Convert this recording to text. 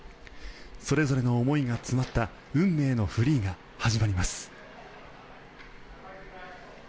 それぞれの思いが詰まった運命のフリーが始まります。